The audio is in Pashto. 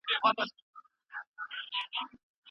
خپل ولس د سياستوالو له غولوني وژغورئ.